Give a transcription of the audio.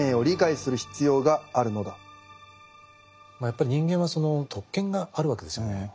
やっぱり人間はその特権があるわけですよね。